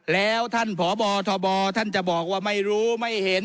แล้วท่านพบทบท่านจะบอกว่าไม่รู้ไม่เห็น